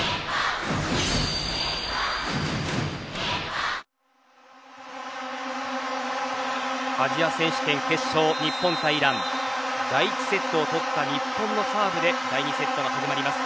わかるぞアジア選手権決勝日本対イラン第１セットを取った日本のサーブで第２セットが始まります。